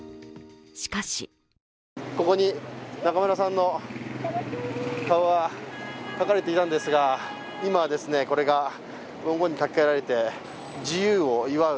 しかしここに中村さんの顔が描かれていたんですが、今はこれが文言に書き換えられて「自由を祝う」